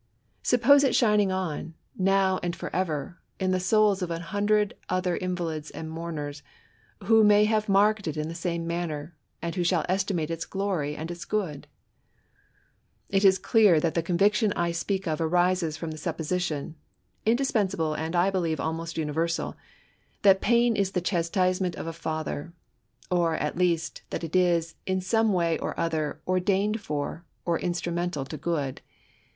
Suppose it shining on, now and for ever, in the souls of a hundred other invalids or mourners, who. may have marked it in the same manner, and who shiall estimate its glory and its good ! It is clear that the conviction I speak of arises from the supposition— indispensable and, I believe, almost imiversal,*^that pain is the chastisement of a Father ; or, at least, that it is, in some way or other, ordaiaed for, or instrumental to good.